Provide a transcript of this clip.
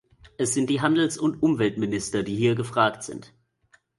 Es sind die Handels- und Umweltminister, die hier gefragt sind.